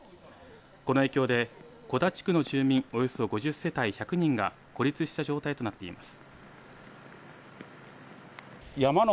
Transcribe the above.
この影響で小田地区の住民およそ５０世帯１００人が孤立した状態となっています。